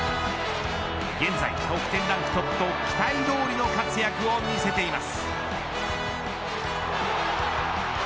現在、得点ランクトップと期待どおりの活躍を見せています。